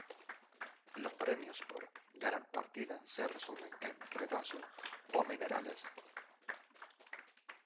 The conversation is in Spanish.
Los premios por ganar partidas se resumen en; retazos o minerales.